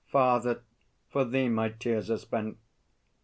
Father, for thee my tears are spent.